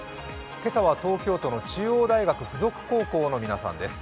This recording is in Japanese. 今朝は東京都の中央大学附属高校の皆さんです。